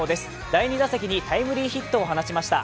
第２打席にタイムリーヒットを放ちました。